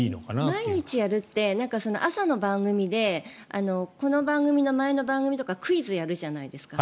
毎日やるって、朝の番組でこの番組の前の番組とかクイズをやるじゃないですか。